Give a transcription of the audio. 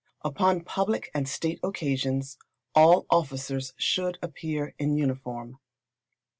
Upon public and state occasions all officers should appear in uniform.